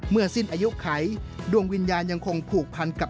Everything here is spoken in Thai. สิ้นอายุไขดวงวิญญาณยังคงผูกพันกับ